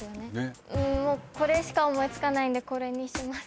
もうこれしか思い付かないんでこれにします。